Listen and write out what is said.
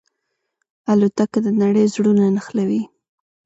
الوتکه د نړۍ زړونه نښلوي.